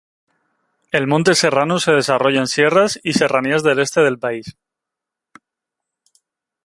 El monte serrano se desarrolla en sierras y serranías del este del país.